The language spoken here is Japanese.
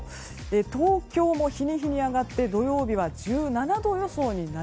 東京も日に日に上がって土曜日は１７度予想。